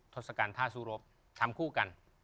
ธศกาท่าสูรบทำคู่กัน